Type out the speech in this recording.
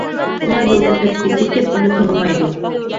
ئۇلار يولدىن ئۆتۈپ كېتىۋېتىپ ئۇنى تونۇمايدۇ.